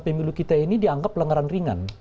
pemilu kita ini dianggap pelanggaran ringan